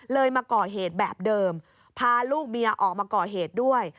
มาก่อเหตุแบบเดิมพาลูกเมียออกมาก่อเหตุด้วย